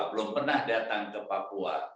belum pernah datang ke papua